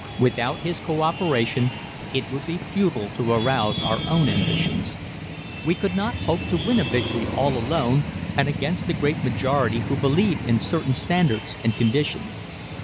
Without his co operation it would be futile to arouse our own ambitions. We could not hope to win a victory all alone and against the great majority who believe in certain standards and conditions.